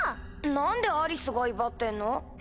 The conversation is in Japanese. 何でアリスが威張ってんの？